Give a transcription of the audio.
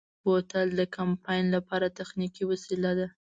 بوتل د کمپاین لپاره تخنیکي وسیله ده.